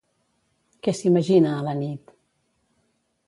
Què s'imagina a la nit?